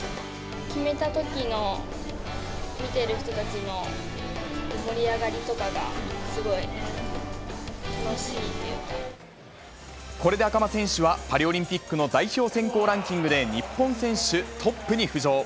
決めたときの、見てる人たちの盛り上がりとかが、これで赤間選手は、パリオリンピックの代表選考ランキングで、日本選手トップに浮上。